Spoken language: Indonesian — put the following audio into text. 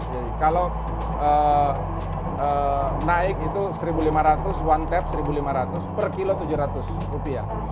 jadi kalau naik itu satu lima ratus one tap satu lima ratus per kilo tujuh ratus rupiah